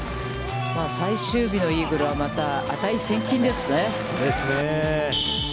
最終日のイーグルは、また値千金ですね。